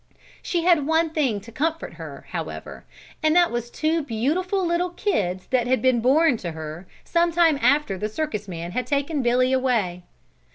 She had one thing to comfort her however, and that was two beautiful little Kids that had been born to her some time after the circus man had taken Billy away.